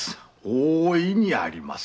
大いにありますな。